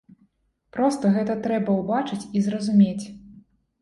Проста гэта трэба ўбачыць і зразумець.